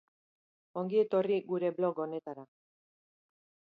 Ongi etorri gure blog honetara.